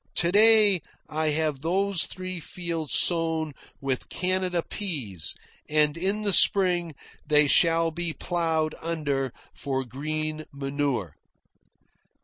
To day I have those three fields sown with Canada peas, and in the spring they shall be ploughed under for green manure.